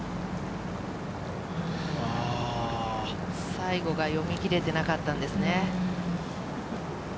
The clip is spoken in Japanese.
最後が読み切れていなかったんですね。